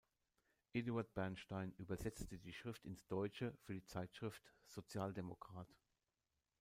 Eduard Bernstein übersetzte die Schrift ins Deutsche für die Zeitschrift "Sozialdemokrat".